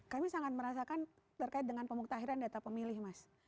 kami sangat merasakan terkait dengan pemuktahiran data pemilih mas